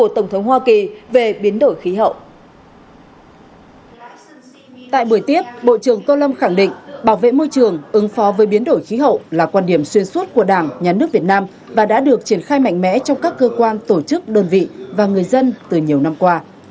tại buổi tiếp bộ trưởng tô lâm khẳng định bảo vệ môi trường ứng phó với biến đổi khí hậu là quan điểm xuyên suốt của đảng nhà nước việt nam và đã được triển khai mạnh mẽ trong các cơ quan tổ chức đơn vị và người dân từ nhiều năm qua